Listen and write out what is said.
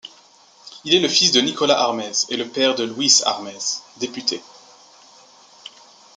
Il est le fils de Nicolas Armez et le père de Louis Armez, députés.